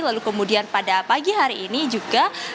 lalu kemudian pada pagi hari ini juga